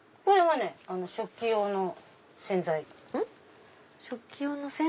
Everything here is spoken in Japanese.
これは食器用の洗剤の。